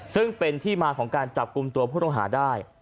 ซึ่งเป็นที่มาของการจับกลุ่มตัวผู้ต้องหาได้